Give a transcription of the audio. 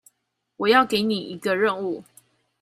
我要給你一個任務